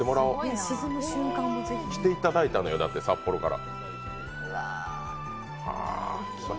来ていただいたのよ、札幌から。